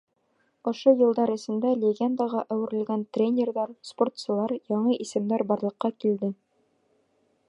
Ошо йылдар эсендә легендаға әүерелгән тренерҙар, спортсылар, яңы исемдәр барлыҡҡа килде.